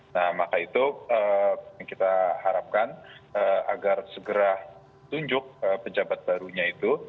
nah maka itu yang kita harapkan agar segera tunjuk pejabat barunya itu